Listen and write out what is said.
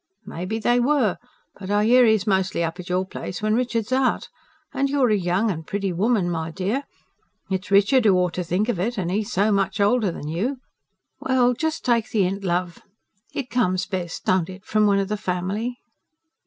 "May be they were. But I hear 'e's mostly up at your place when Richard's out. And you're a young and pretty woman, my dear; it's Richard who ought to think of it, and he so much older than you. Well, just take the hint, love. It comes best, don't it, from one of the family?"